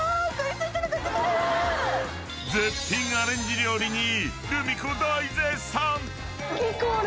絶品アレンジ料理にルミ子、大絶賛！